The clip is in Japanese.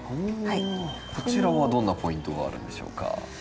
こちらはどんなポイントがあるんでしょうか？